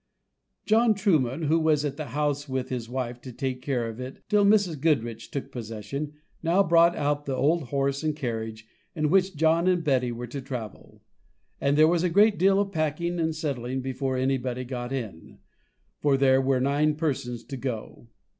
John Trueman, who was at the house with his wife to take care of it till Mrs. Goodriche took possession, now brought out the old horse and carriage, in which John and Betty were to travel; and there was a great deal of packing and settling before anybody got in, for there were nine persons to go.